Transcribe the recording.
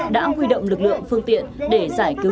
đã huy động lực lượng phương tiện để giải cứu